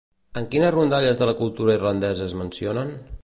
En quines rondalles de la cultura irlandesa es mencionen?